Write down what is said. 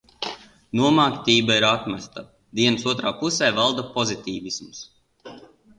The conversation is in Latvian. Nomāktība ir atmesta. Dienas otrā pusē valda pozitīvisms.